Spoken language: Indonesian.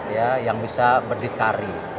ya yang bisa berdikari